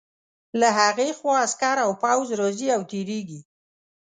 له هغې خوا عسکر او پوځ راځي او تېرېږي.